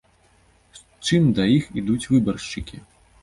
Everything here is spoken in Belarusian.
З чым да іх ідуць выбаршчыкі?